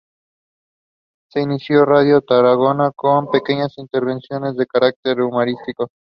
Se inició en Radio Tarragona con pequeñas intervenciones de carácter humorístico.